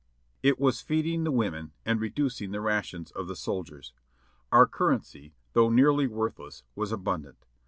It was feeding the women and reducing the rations of the sol diers. Our currency, though nearly worthless, was abundant.